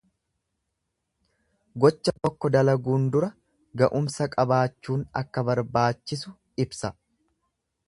Gocha tokko dalaguun dura ga'umsa qabaachuun akka barbaachisu ibsa.